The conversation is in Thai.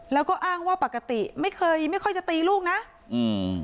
แล้วก็อ้างว่าปกติไม่เคยไม่ค่อยจะตีลูกนะอืม